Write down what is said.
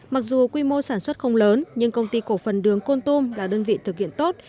mặc dù quy mô sản xuất không lớn nhưng công ty cổ phần đường côn tum là đơn vị thực hiện tốt